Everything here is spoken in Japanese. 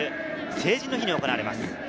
成人の日に行われます。